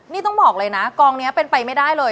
นี่ต้องบอกเลยนะกองนี้เป็นไปไม่ได้เลย